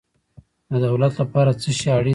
د دولت لپاره څه شی اړین دی؟